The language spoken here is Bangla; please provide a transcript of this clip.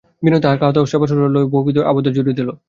বিনয় তাহার খাওয়াদাওয়া সেবাশুশ্রূষা লইয়া বহুবিধ আবদার জুড়িয়া দিল।